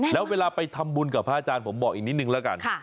แล้วเวลาไปทำบุญกับพระอาจารย์ผมบอกอีกนิดนึงแล้วกัน